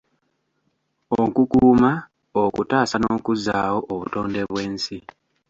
Okukuuma, okutaasa n’okuzzaawo obutonde bw’ensi.